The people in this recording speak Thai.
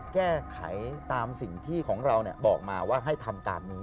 แก้ไขตามสิ่งที่ของเราบอกมาว่าให้ทำตามนี้